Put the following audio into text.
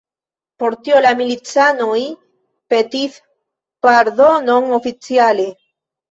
Por tio la milicanoj petis pardonon oficiale.